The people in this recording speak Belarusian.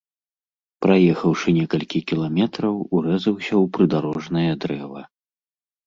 Праехаўшы некалькі кіламетраў, урэзаўся ў прыдарожнае дрэва.